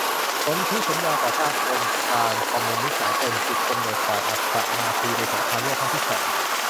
สนธิสัญญาต่อต้านองค์การคอมมิวนิสต์สากล จุดกำเนิด ฝ่ายอักษะ-นาซี ใน สงครามโลกครั้งที่สอง